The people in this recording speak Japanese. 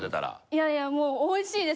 いやいやもう美味しいです。